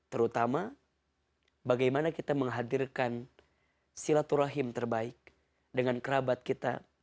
terutama bagaimana kita menghadirkan silaturahim terbaik dengan kerabat kita